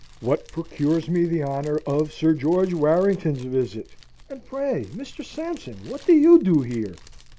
"What procures me the honour of Sir George Warrington's visit, and pray, Mr. Sampson, what do you do here?"